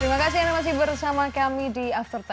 terima kasih anda masih bersama kami di after sepuluh